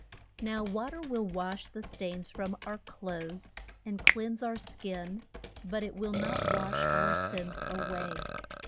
Now wa ter will wash the stains from our clothes, and cleanse our skin, but it will not wash our sins away.